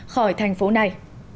khỏi thành phố này